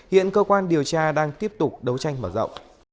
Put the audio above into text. hiện cơ quan điều tra đang tiếp tục đấu tranh mở rộng